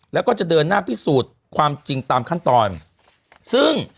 แล้วก็จะเดินหน้าพิสูจน์ความจริงตามขั้นตอนซึ่ง